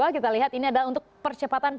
kita lihat ini adalah untuk percepatan